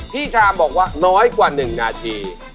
ชามบอกว่าน้อยกว่า๑นาที